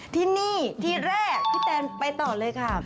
ที่นี่ที่แรกพี่แตนไปต่อเลยค่ะ